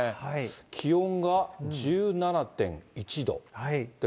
気温が１７．１度。